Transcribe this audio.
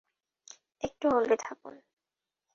একটু হোল্ডে থাকুন।